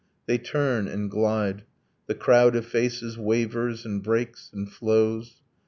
.' They turn and glide, The crowd of faces wavers and breaks and flows.